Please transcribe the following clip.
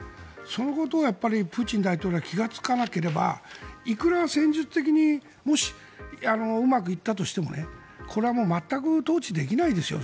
そのことをプーチン大統領は気がつかなければいくら戦術的にもし、うまくいったとしてもこれは全く統治できないですよ。